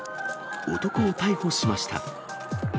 男を逮捕しました。